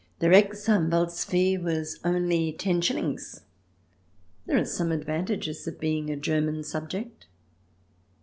The Rechtsanwalt's fee was only ten shillings. There are some advantages of being a German subject.